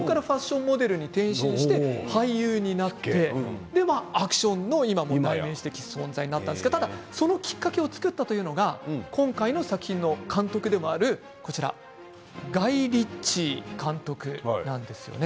そこからファッションモデルに転身して俳優になってアクションの代名詞的存在になってただそのきっかけを作ったというのが今回の作品の監督でもあるガイ・リッチー監督なんですよね。